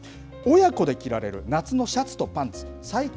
親子で着られる夏のシャツとパンツ